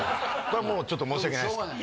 こらもうちょっと申し訳ないですけど。